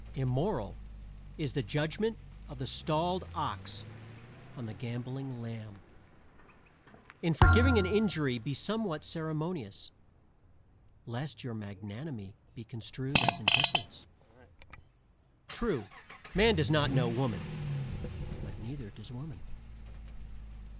"Immoral" is the judgment of the stalled ox on the gamboling lamb. In forgiving an injury be somewhat ceremonious, lest your magnanimity be construed as indifference. True, man does not know woman. But neither does woman.